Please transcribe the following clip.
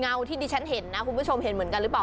ที่ดิฉันเห็นนะคุณผู้ชมเห็นเหมือนกันหรือเปล่า